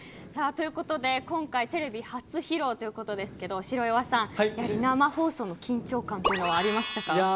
ということで、今回テレビ初披露ということですけど白岩さん、生放送の緊張感はありましたか？